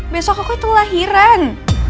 besok aku itu lahiran